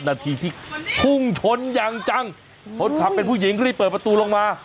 นาทีที่พุ่งชนอย่างจังคนขับเป็นผู้หญิงรีบเปิดประตูลงมา